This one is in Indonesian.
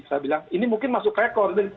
saya bilang ini mungkin masuk rekor